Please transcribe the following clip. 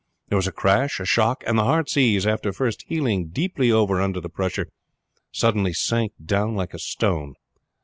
There was a crash, a shock, and the Heartsease, after first heeling deeply over under the pressure, suddenly sank down like a stone.